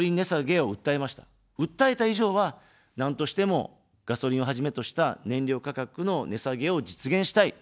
訴えた以上は、なんとしても、ガソリンをはじめとした燃料価格の値下げを実現したい。